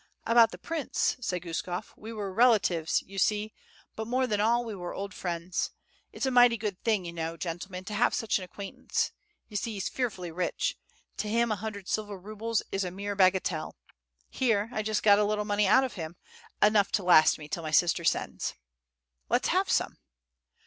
"About the prince," said Guskof. "We were relatives, you see, but, more than all, we were old friends. It's a mighty good thing, you know, gentlemen, to have such an acquaintance. You see he's fearfully rich. To him a hundred silver rubles is a mere bagatelle. Here, I just got a little money out of him, enough to last me till my sister sends." "Let's have some."